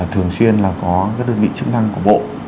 thường xuyên là có các đơn vị chức năng của bộ